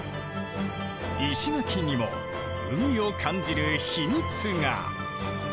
石垣にも海を感じる秘密が！